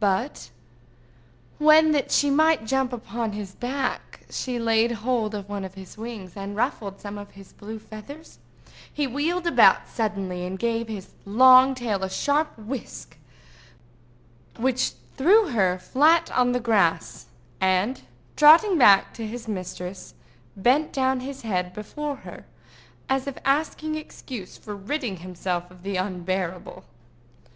But when, that she might jump upon his back, she laid hold of one of his wings, and ruffled some of the blue feathers, he wheeled suddenly about, gave his long tail a sharp whisk which threw her flat on the grass, and, trotting back to his mistress, bent down his head before her as if asking excuse for ridding himself of the unbearable.